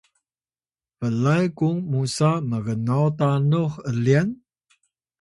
blay kung musa mgnaw tanux ’lyan?